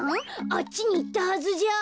あっちにいったはずじゃ。